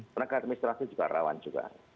penegak administrasi juga rawan juga